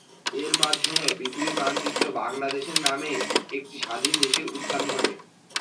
এর মাধ্যমেই পৃথিবীর মানচিত্রে বাংলাদেশ নামে একটি স্বাধীন দেশের উত্থান ঘটে।